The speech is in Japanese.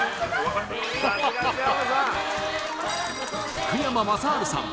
福山雅治さん